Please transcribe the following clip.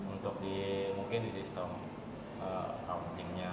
untuk di mungkin di sistem accounting nya